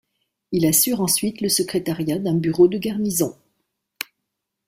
Il assure ensuite le secrétariat d’un bureau de garnison.